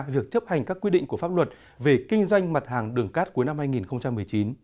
việc chấp hành các quy định của pháp luật về kinh doanh mặt hàng đường cát cuối năm hai nghìn một mươi chín